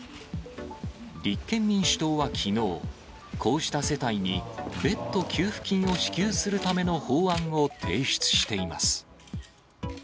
立憲民主党はきのう、こうした世帯に別途給付金を支給するための法案を提出しています。